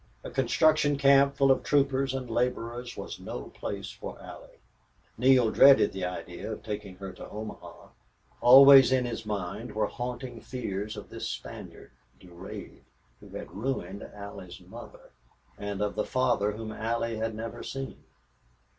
A construction camp full of troopers and laborers was no place for Allie. Neale dreaded the idea of taking her to Omaha. Always in his mind were haunting fears of this Spaniard, Durade, who had ruined Allie's mother, and of the father whom Allie had never seen.